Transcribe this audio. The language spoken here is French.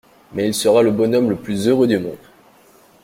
Mais il sera le bonhomme le plus heureux du monde!